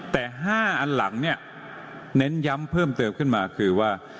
แต่๕อันหลังเนี่ยเน้นย้ำเพิ่มเติมขึ้นมาคือว่า